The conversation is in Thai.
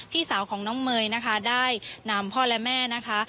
พี่สาวของน้องเมย์นะคะได้นำพ่อและแม่นะคะ